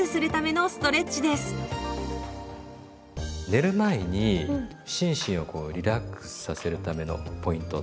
寝る前に心身をこうリラックスさせるためのポイント。